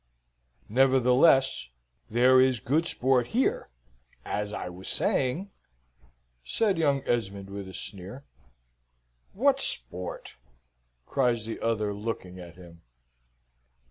"Nevertheless, there is good sport here, as I was saying," said young Esmond, with a sneer. "What sport?" cries the other, looking at him.